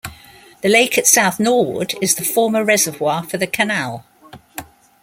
The lake at South Norwood is the former reservoir for the canal.